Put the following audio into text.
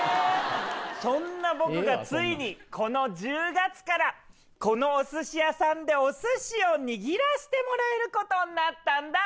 そんな僕がついにこの１０月からこのお寿司屋さんでお寿司を握らしてもらえる事になったんだ。